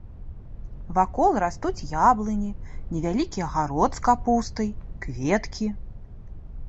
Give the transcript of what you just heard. Вакол растуць яблыні, невялікі агарод з капустай, кветкі.